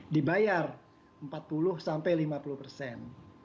dibayar empat puluh sampai lima puluh persen